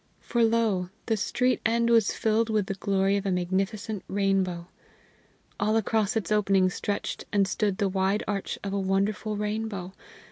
For lo! the street end was filled with the glory of a magnificent rainbow. All across its opening stretched and stood the wide arch of a wonderful rainbow.